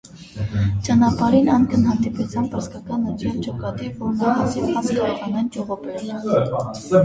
Ճանապարհին անքն հանդիպեցան պարսկական ընտրեալ ջոկատի, որմէ հազիւ հաց կարողացան ճողոպրել։